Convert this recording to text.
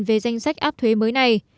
về danh sách áp thuế mới này